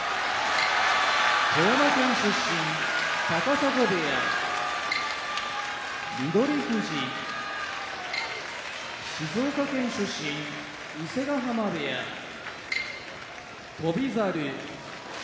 富山県出身高砂部屋翠富士静岡県出身伊勢ヶ濱部屋翔猿